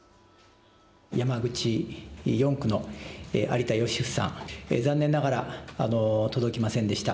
山口４区の有田芳生さん、残念ながら届きませんでした。